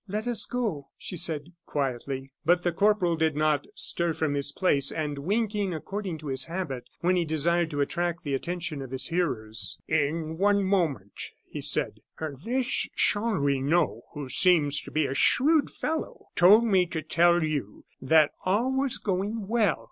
"Let us go," she said, quietly. But the corporal did not stir from his place, and winking, according to his habit when he desired to attract the attention of his hearers: "In one moment," he said. "This Chanlouineau, who seems to be a shrewd fellow, told me to tell you that all was going well.